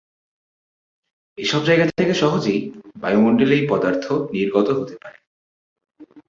এসব জায়গা থেকে সহজেই বায়ুমন্ডলে এই পদার্থ নির্গত হতে পারে।